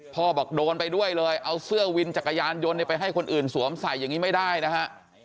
บอกโดนไปด้วยเลยเอาเสื้อวินจักรยานยนต์ไปให้คนอื่นสวมใส่อย่างนี้ไม่ได้นะฮะ